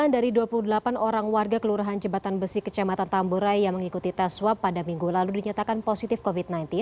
sembilan dari dua puluh delapan orang warga kelurahan jembatan besi kecamatan tambora yang mengikuti tes swab pada minggu lalu dinyatakan positif covid sembilan belas